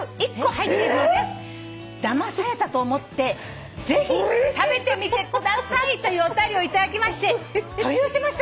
「だまされたと思ってぜひ食べてみてください」というお便りを頂きまして取り寄せましたので。